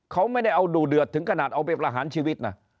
เขาไม่ได้เอาดูเดือดถึงขนาดเอาไปประหารชีวิตนะ